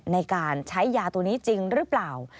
ในการใช้ยาตัวนี้จริงหรือเปล่า